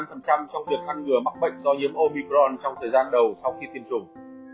trong việc thăng ngừa mắc bệnh do nhiễm omicron trong thời gian đầu sau khi tiêm dùng